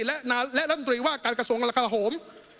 และนายรัฐนตรีว่าการกระทรวงกราคาหละโถม